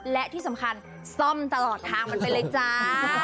และที่สำคัญซ่อมตลอดทางมันไปเลยจ้า